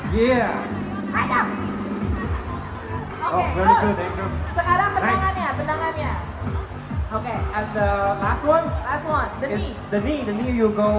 อยากก่อนมาที่บางอย่าง